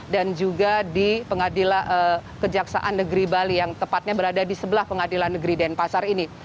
dan juga di pengadilan kejaksaan negeri bali yang tepatnya berada di sebelah pengadilan negeri denpasar ini